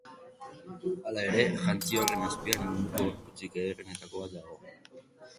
Hala ere, jantzi horren azpian, munduko gorputzik ederrenetako bat dago.